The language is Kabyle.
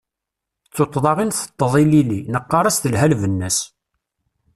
D tuṭṭḍa i nteṭṭeḍ ilili, neqqar-as telha lbenna-s.